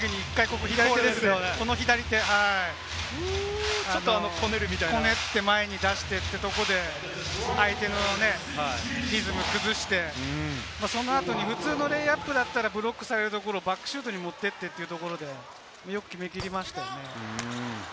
ここの左手、こねって前に出してってとこで、相手のね、リズムを崩して、その後に普通のレイアップだったらブロックされるとこをバックスシュートに持ってってってところで、よく決めきりましたね。